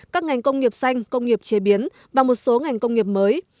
các ngành công nghiệp xanh công nghiệp chế biến và một số ngành công nghiệp mới